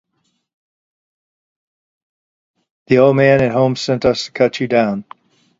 The old man at home sent us to cut you down.